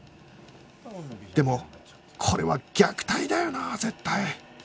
でもこれは虐待だよな絶対